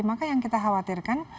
maka yang kita khawatirkan